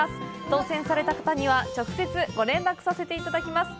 当せんされた方には直接ご連絡させていただきます。